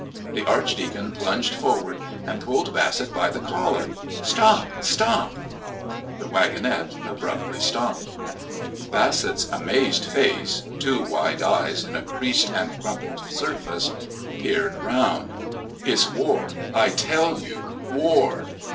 The Archdeacon plunged forward and pulled Bassett by the collar. "Stop! Stop!" The wagonette abruptly stopped. Bassett's amazed face, two wide eyes in a creased and crumpled surface, peered round. "It's war, I tell you. War!"